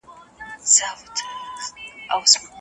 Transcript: ښوونکو وويل چي د تعليمي نصاب بدلون اړين دی.